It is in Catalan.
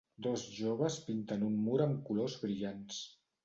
Dos joves pinten un mur amb colors brillants.